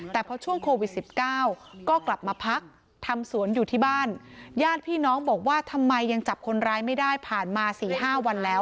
แต่พอช่วงโควิด๑๙ก็กลับมาพักทำสวนอยู่ที่บ้านญาติพี่น้องบอกว่าทำไมยังจับคนร้ายไม่ได้ผ่านมา๔๕วันแล้ว